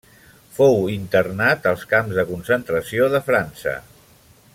Fou internat als camps de concentració de França.